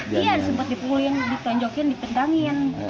iya sempat dipukulin ditanjokin dipendangin